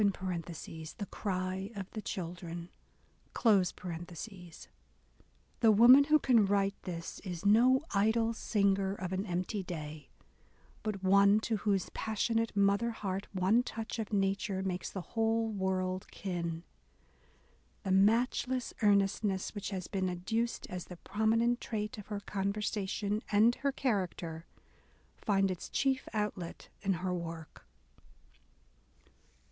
" (The Cry of the Children,) The woman who can write thus is no idle singer of an empty day," but one to whose passionate mother heart one touch of nature makes the whole world kin. The matchless earnestness" which has been adduced as the prominent trait of her conversation and her character, finds its chief outlet in her work.